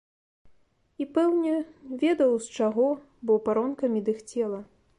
І, пэўне, ведаў з чаго, бо паронкамі дыхцела.